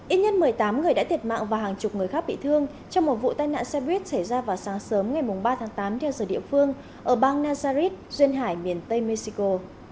ít nhất một mươi tám người đã thiệt mạng và hàng chục người khác bị thương trong một vụ tai nạn xe buýt xảy ra vào sáng sớm ngày ba tháng tám theo giờ địa phương ở bang nazaret duyên hải miền tây mexico